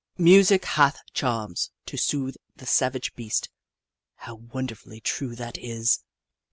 " Music hath charms to soothe the savage breast "— how wonderfully true that is